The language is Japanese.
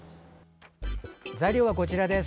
材料はこちらです。